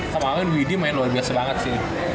kemarin widhi main luar biasa banget sih